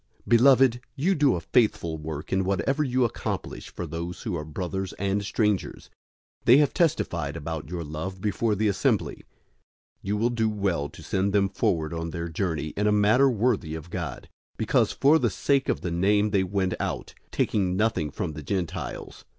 001:005 Beloved, you do a faithful work in whatever you accomplish for those who are brothers and strangers. 001:006 They have testified about your love before the assembly. You will do well to send them forward on their journey in a manner worthy of God, 001:007 because for the sake of the Name they went out, taking nothing from the Gentiles.